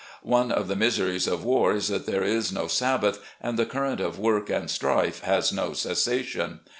One of the miseries of war is that there is no Sabbath, and the current of work and strife has no cessation.